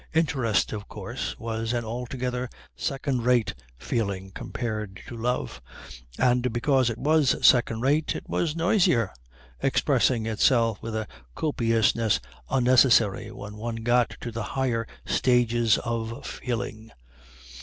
Interest, of course, was an altogether second rate feeling compared to love, and because it was second rate it was noisier, expressing itself with a copiousness unnecessary when one got to the higher stages of feeling.